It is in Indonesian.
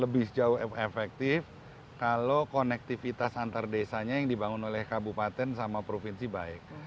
lebih jauh efektif kalau konektivitas antar desanya yang dibangun oleh kabupaten sama provinsi baik